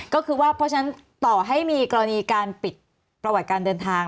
ก็คือว่าเพราะฉะนั้นต่อให้มีกรณีการปิดประวัติการเดินทาง